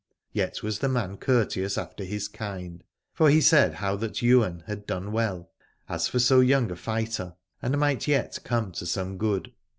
Yet was the man courteous after his kind, for he said how that Ywain had done well, as for so young a fighter, and might yet come to some good.